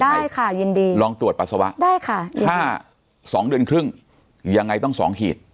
ได้ค่ะยินดีลองตรวจปัสสาวะได้ค่ะถ้าสองเดือนครึ่งยังไงต้องสองขีด